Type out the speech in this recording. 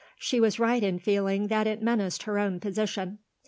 She was right in feeling that it menaced her own position.